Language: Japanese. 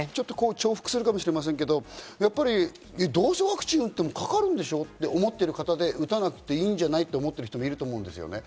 重複するかもしれませんが、どうせワクチン打ってもかかるんでしょうと思ってる方、で打たなくていいんじゃない？って思ってる人もいると思うんです。